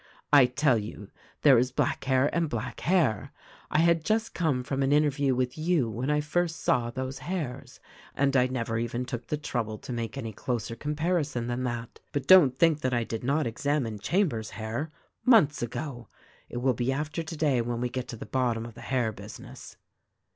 I tell you, there is black hair and black hair. I had just come from an interview with you, when I first saw those hairs ; and I never even took the trouble to make any closer comparison than that. But don't think that I did not ex amine Chambers' hair — months ago. It will be after today when we get to the bottom of the hair business."